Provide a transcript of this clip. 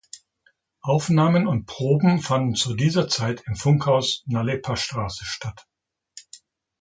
Aufnahmen und Proben fanden zu dieser Zeit im Funkhaus Nalepastraße statt.